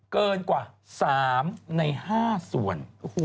เกินกว่า๓ใน๕ส่วน